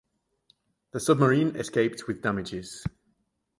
The submarine escaped with damages.